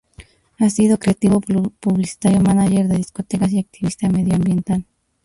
Ha sido creativo publicitario, mánager de discotecas y activista medioambiental.